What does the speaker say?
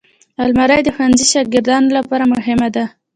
الماري د ښوونځي شاګردانو لپاره مهمه ده